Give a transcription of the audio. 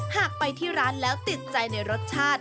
หากไปที่ร้านแล้วติดใจในรสชาติ